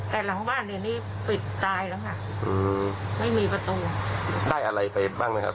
แต่หลังบ้านเดี๋ยวนี้ปิดตายแล้วค่ะอืมไม่มีประตูได้อะไรไปบ้างไหมครับ